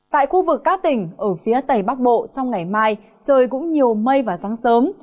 tại khu vực các tỉnh ở phía tây bắc bộ trong ngày mai trời cũng nhiều mây vào sáng sớm